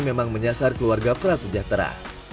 memang menyasar keluarga prasejahtera